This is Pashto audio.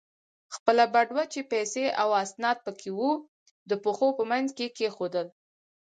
خپله بټوه چې پیسې او اسناد پکې و، د پښو په منځ کې کېښوول.